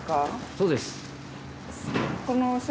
そうです。